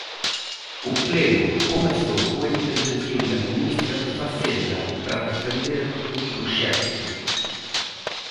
O pleno comezou coa intervención da ministra de Facenda para defender o proxecto.